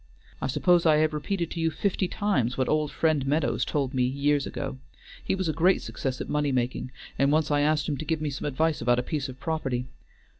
I suppose I have repeated to you fifty times what old Friend Meadows told me years ago; he was a great success at money making, and once I asked him to give me some advice about a piece of property.